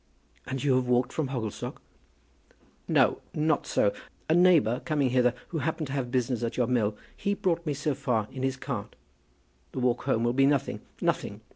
"And you have walked from Hogglestock?" "No; not so. A neighbour coming hither, who happened to have business at your mill, he brought me so far in his cart. The walk home will be nothing, nothing.